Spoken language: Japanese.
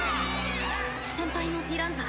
先輩のディランザ